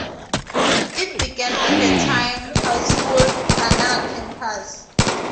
It began in the Town High School, Kannur Campus.